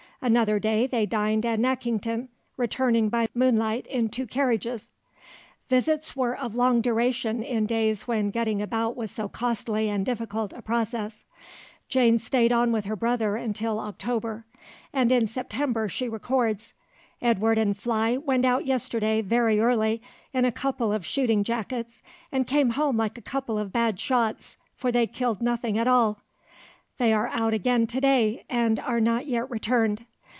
Another day they dined at Nackington, returning by moonlight in two carriages. Visits were of long duration in days when getting about was so costly and difficult a process; Jane stayed on with her brother until October, and in September she records: "Edward and Fly went out yesterday very early in a couple of shooting jackets, and came home like a couple of bad shots, for they killed nothing at all. They are out again to day, and are not yet returned.